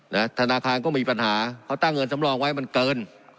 ธนาคารก็มีปัญหาเขาตั้งเงินสำรองไว้มันเกิน